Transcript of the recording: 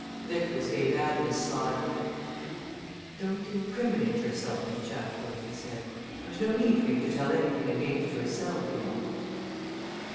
Vickers gave Addie a sly look. "Don't incriminate yourself, Miss Chatfield," he said. "There's no need for you to tell anything against yourself, you know."